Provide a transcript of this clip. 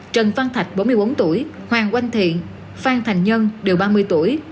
trần văn thạch bốn mươi bốn tuổi hoàng oanh thiện phan thành nhân đều ba mươi tuổi